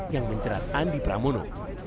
yang mencerat andi pramono